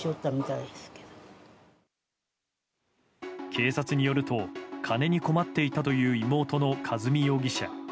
警察によると金に困っていたという妹の和美容疑者。